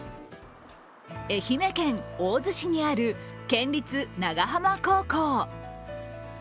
愛媛県大洲市にある県立長浜高校。